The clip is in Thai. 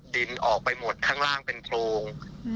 ดินออกไปหมดข้างล่างเป็นโพรง